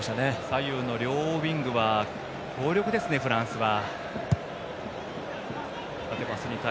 左右の両ウイングは強力ですね、フランスは。